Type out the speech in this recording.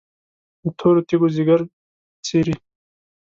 د تورو تیږو ځیګر څیري،